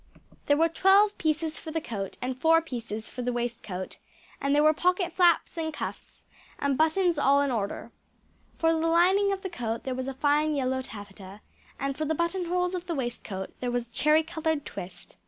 There were twelve pieces for the coat and four pieces for the waistcoat; and there were pocket flaps and cuffs, and buttons all in order. For the lining of the coat there was fine yellow taffeta; and for the button holes of the waistcoat, there was cherry coloured twist.